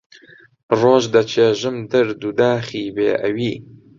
ڕۆژ دەچێژم دەرد و داخی بێ ئەوی